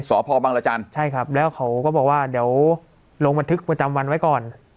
สพบังรจันทร์ใช่ครับแล้วเขาก็บอกว่าเดี๋ยวลงบันทึกประจำวันไว้ก่อน